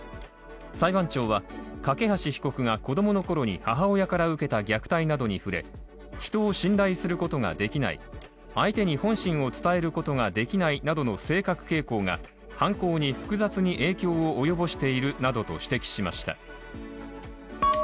裁判長は梯被告が子供の頃に母親から受けた虐待などに触れ人を信頼することができない、相手に本心を伝えることができないなどの性格傾向が犯行に複雑に影響を及ぼしているなどと指摘しました。